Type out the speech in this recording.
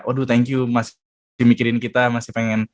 aduh thank you masih dimikirin kita masih pengen